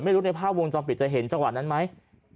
ในภาพวงจรปิดจะเห็นจังหวะนั้นไหม